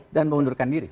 dan mengundurkan diri